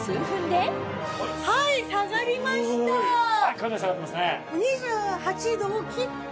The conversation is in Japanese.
かなり下がってますね。